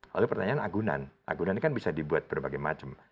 lalu pertanyaan agunan agunan ini kan bisa dibuat berbagai macam